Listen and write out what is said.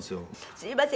「“すいません。